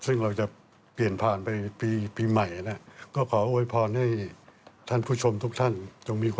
สวัสดีครับ